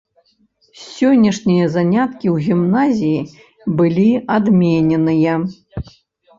Сённяшнія заняткі ў гімназіі былі адмененыя.